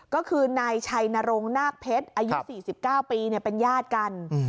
ก็คือนายชายนโรงนาคเพชรอายุสี่สิบเก้าปีเนี่ยเป็นญาติกัน